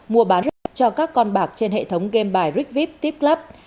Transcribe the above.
mua bán cho các con bạc trên hệ thống game bài rigvip chip club